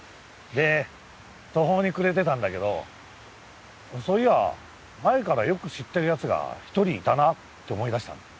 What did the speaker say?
で途方に暮れてたんだけどそういや前からよく知ってる奴が１人いたなって思い出したんだ。